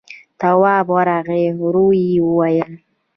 تواب ورغی، ورو يې وويل: